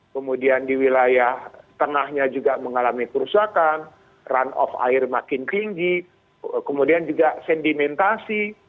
kemudian di wilayah tengahnya juga mengalami kerusakan run off air makin tinggi kemudian juga sedimentasi